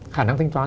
khả năng thanh toán